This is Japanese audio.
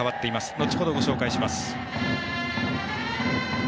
後程ご紹介します。